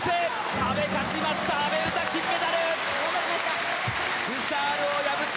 阿部、勝ちました阿部詩、金メダル！